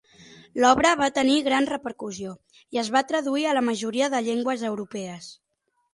L'obra va tenir gran repercussió i es va traduir a la majoria de llengües europees.